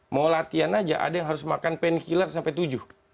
mau latihan aja ada yang harus makan pain killer sampai tujuh